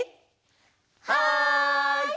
はい！